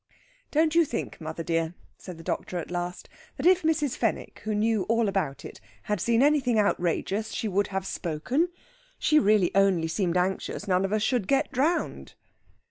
"Don't you think, mother dear," said the doctor at last, "that if Mrs. Fenwick, who knew all about it, had seen anything outrageous she would have spoken? She really only seemed anxious none of us should get drowned."